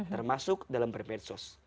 termasuk dalam bermetsos